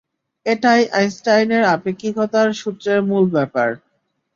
এটাই আইনস্টাইনের আপেক্ষিকতার সূত্রের মূল ব্যাপার।